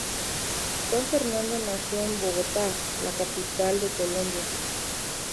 Juan Fernando nació en Bogotá, la capital de Colombia.